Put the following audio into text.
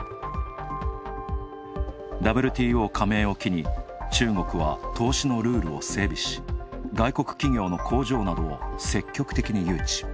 ＷＴＯ加盟を機に、中国は投資のルールを整備し、外国企業の工場などを積極的に誘致。